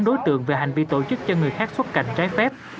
bốn đối tượng về hành vi tổ chức cho người khác xuất cảnh trái phép